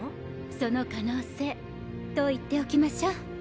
その可能性と言っておきましょう。